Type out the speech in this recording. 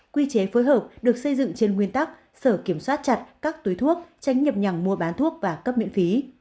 quy chế phối hợp được xây dựng trên nguyên tắc sở kiểm soát chặt các túi thuốc tránh nhập nhằng mua bán thuốc và cấp miễn phí